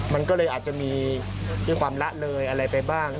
มันก็เลยอาจจะมีด้วยความละเลยอะไรไปบ้าง